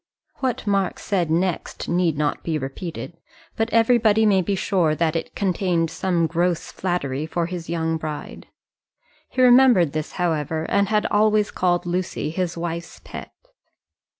What Mark said next need not be repeated, but everybody may be sure that it contained some gross flattery for his young bride. He remembered this, however, and had always called Lucy his wife's pet.